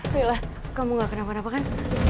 pilihlah kamu gak kenapa napa kan